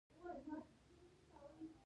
زه درته انتظار یم ژر راځه